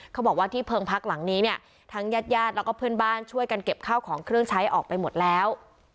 เขาบอกว่าที่เพิงพักหลังนี้เนี่ยทั้งญาติญาติแล้วก็เพื่อนบ้านช่วยกันเก็บข้าวของเครื่องใช้ออกไปหมดแล้ว